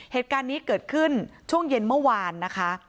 เหตุการณ์นี้เกิดขึ้นช่วงเย็นเมื่อวานนะคะ